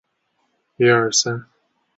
乌尔克河畔普吕斯利。